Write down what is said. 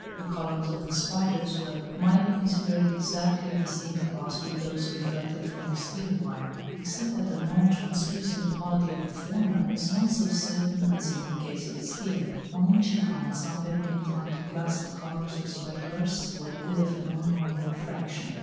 The colours of the spider's web might be considered exactly of the same class with those reflected from the steel wire, except that the non translucent quality of the former is not so certain as in the case of steel; on which account some have been inclined to class the colours of the spider's web with the phenomena of refraction.